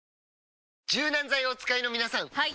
柔軟剤をお使いの皆さんはい！